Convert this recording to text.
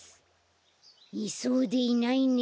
いそうでいないね。